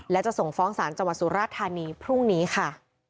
และจะส่งฟ้องศาลจังหวัดสุราธานีพรุ่งนี้ค่ะ